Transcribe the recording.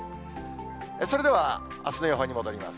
それではあすの予報に戻ります。